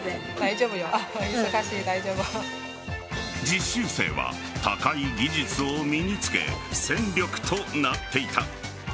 実習生は高い技術を身に付け戦力となっていた。